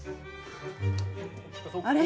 あれ？